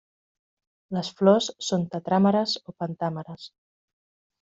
Les flors són tetràmeres o pentàmeres.